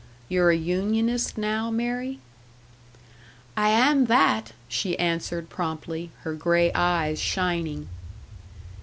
"You're a unionist now, Mary?" "I am that!" she answered, promptly, her grey eyes shining.